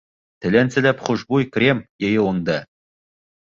Теләнселәп хушбуй, крем йыйыуыңды.